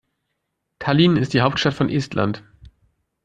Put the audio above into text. Tallinn ist die Hauptstadt von Estland.